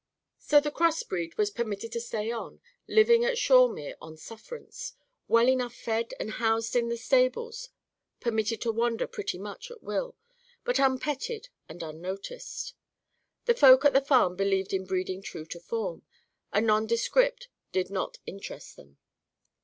So the crossbreed was permitted to stay on, living at Shawemere on sufferance, well enough fed and housed in the stables, permitted to wander pretty much at will, but unpetted and unnoticed. The folk at the farm believed in breeding true to form. A nondescript did not interest them.